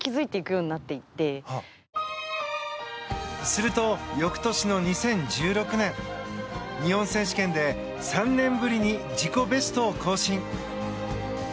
すると翌年の２０１６年日本選手権で３年ぶりに自己ベストを更新。